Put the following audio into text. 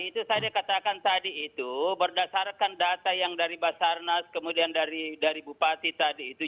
itu saya katakan tadi itu berdasarkan data yang dari basarnas kemudian dari bupati tadi itu